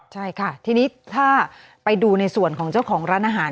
ใช่ค่ะทีนี้ถ้าไปดูในส่วนของเจ้าของร้านอาหาร